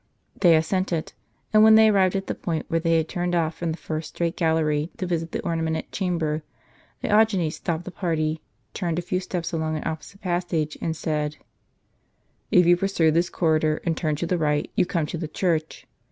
They assented ; and when they arrived at the point where they had turned off from the first straight gallery to visit the ornamented chamber, Diogenes stopped the party, turned a few steps along an opposite passage, and said : "If you pursue this corridor, and turn to the right, you come to the church.